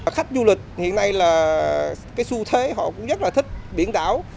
khách du lịch hiện nay là su thế họ cũng rất là thích biển đảo